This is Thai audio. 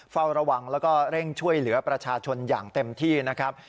เฝ้าระวังแล้วก็เร่งช่วยเหลือประชาชนอย่างเต็มที่นะครับ